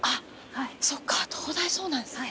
そっか東大そうなんですね。